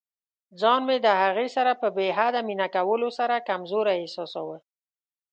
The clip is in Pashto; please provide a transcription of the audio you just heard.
ځان مې د هغې سره په بې حده مینه کولو سره کمزوری احساساوه.